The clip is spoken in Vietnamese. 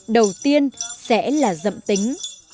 đầu tiên sẽ là rậm tính